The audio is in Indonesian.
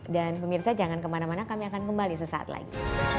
dan pemirsa jangan kemana mana kami akan kembali sesaat lagi